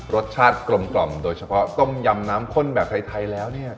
รสชาติกลมโดยเฉพาะต้มยำน้ำข้นแบบไทยแล้วเนี่ย